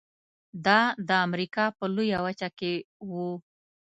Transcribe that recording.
دا د امریکا په لویه وچه کې و.